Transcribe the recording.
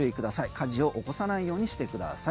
火事を起こさないようにしてください。